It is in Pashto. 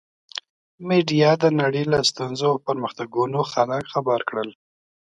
میډیا د نړۍ له ستونزو او پرمختګونو خلک خبر کړل.